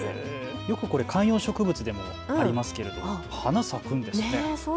よく観葉植物にもありますが花が咲くんですね。